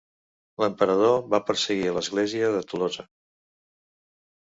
L'emperador va perseguir a l'església de Tolosa.